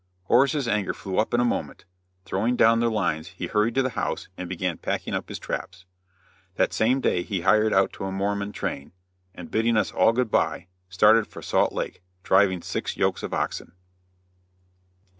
Horace's anger flew up in a moment; throwing down the lines he hurried to the house, and began packing up his traps. That same day he hired out to a Mormon train, and bidding us all good bye started for Salt Lake, driving six yokes of oxen.